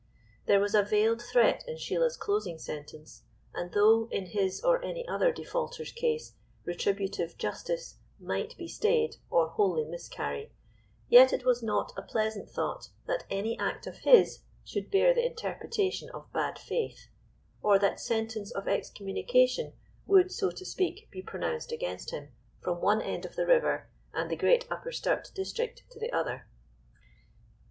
There was a veiled threat in Sheila's closing sentence, and though, in his or any other defaulter's case, retributive justice might be stayed or wholly miscarry, yet it was not a pleasant thought that any act of his should bear the interpretation of bad faith; or that sentence of excommunication would, so to speak, be pronounced against him from one end of the river and the great Upper Sturt district to the other.